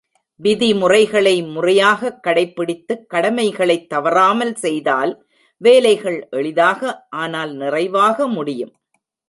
விதிமுறைகளை முறையாகக் கடை பிடித்துக் கடமைகளைத் தவறாமல் செய்தால் வேலைகள் எளிதாக ஆனால் நிறைவாக முடியும்.